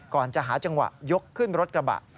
ก่อนจะหาจังหวะยกขึ้นรถกระบะ